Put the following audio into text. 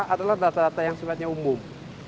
adalah data data yang sifatnya umum